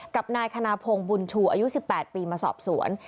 กับนายคณพงศ์บุญชูอายุ๑๘ปีมาสอบสวน